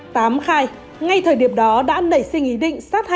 tám khai ngay thời điểm đó đã nảy sinh ý định sát hại nạn nhân